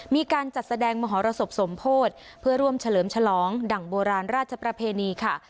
มีการจัดแสดงมหรสบสมโพธิเพื่อร่วมเฉลิมฉลองดั่งโบราณราชประเพณีค่ะ